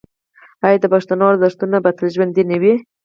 آیا د پښتنو ارزښتونه به تل ژوندي نه وي؟